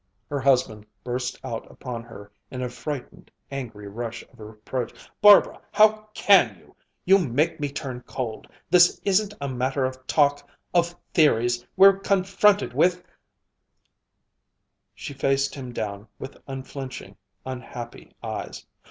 Her husband burst out upon her in a frightened, angry rush of reproach: "Barbara how can you! You make me turn cold! This isn't a matter of talk of theories we're confronted with " She faced him down with unflinching, unhappy eyes.